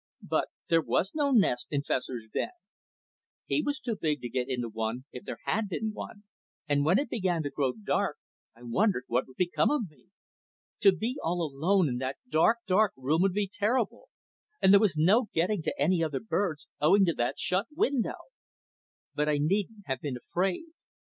But there was no nest in Fessor's den. He was too big to get into one if there had been one, and when it began to grow dark I wondered what would become of me. To be all alone in that dark, dark room would be terrible; and there was no getting to any other birds owing to that shut window. But I needn't have been afraid.